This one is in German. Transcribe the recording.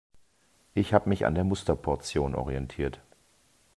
Ich habe mich an der Musterportion orientiert.